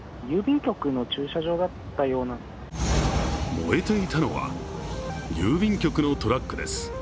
燃えていたのは郵便局のトラックです。